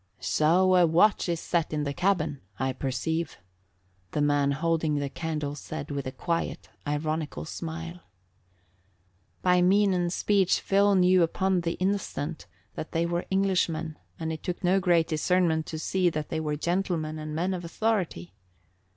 "So a watch is set in the cabin, I perceive," the man holding the candle said with a quiet, ironical smile. By mien and speech Phil knew upon the instant that they were Englishmen and it took no great discernment to see that they were gentlemen and men of authority.